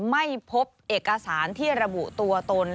ไม่พบเอกสารที่ระบุตัวตน